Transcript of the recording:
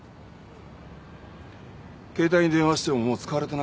携帯に電話してももう使われてなくて。